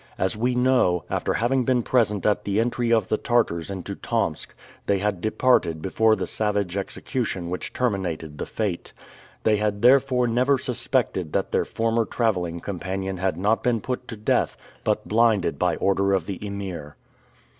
As we know, after having been present at the entry of the Tartars into Tomsk, they had departed before the savage execution which terminated the fête. They had therefore never suspected that their former traveling companion had not been put to death, but blinded by order of the Emir.